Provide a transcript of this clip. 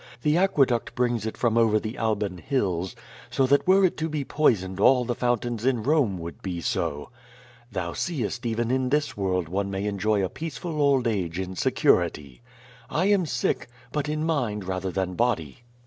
The aqueduct brings it from over the Alban Hills, so that were it to be poisoned all the fountains in Rome would be so. Thou seest even in this world one may enjoy a peaceful old age in security. I am sick — ^but in mind rather than body."